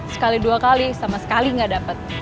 sekali dua kali sama sekali gak dapet